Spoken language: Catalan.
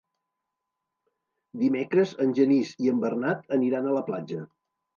Dimecres en Genís i en Bernat aniran a la platja.